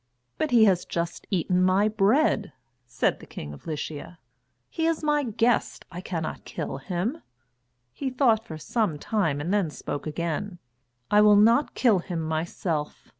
"But he has just eaten my bread," said the King of Lycia. "He is my guest. I cannot kill him." He thought for some time and then spoke again: "I will not kill him myself.